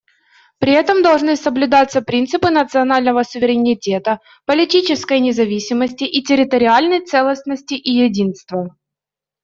При этом должны соблюдаться принципы национального суверенитета, политической независимости и территориальной целостности и единства.